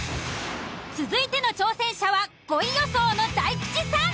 続いての挑戦者は５位予想の大吉さん。